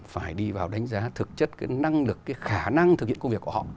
phải đi vào đánh giá thực chất cái năng lực cái khả năng thực hiện công việc của họ